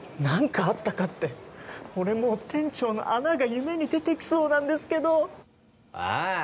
何かあったかって俺もう店長の穴が夢に出てきそうなんですけどああ